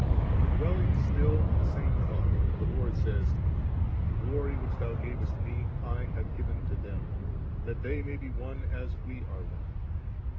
For, dwelling still on the same thought, the Lord says, * And the glory which Thou gavest Me, I have given to them, that they may be one as We are one.'